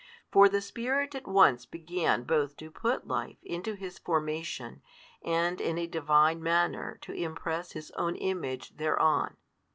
For the Spirit at once began both to put life into His formation and in a Divine manner to impress His own Image thereon.